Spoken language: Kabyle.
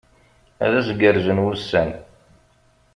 Ad as-gerrzen wussan!